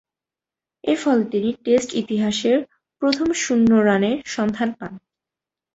এরফলে তিনি টেস্ট ইতিহাসের প্রথম শূন্য রানের সন্ধান পান।